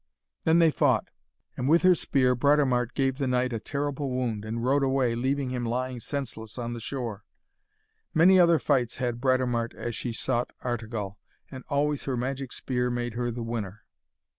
Then they fought, and with her spear Britomart gave the knight a terrible wound, and rode away, leaving him lying senseless on the shore. Many other fights had Britomart as she sought Artegall, and always her magic spear made her the winner.